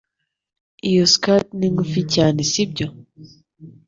Iyo skirt ni ngufi cyane sibyo